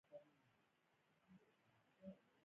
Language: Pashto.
مظهریت علاقه؛ چي وضعي مانا د مجازي مانا د ظهور ځای يي.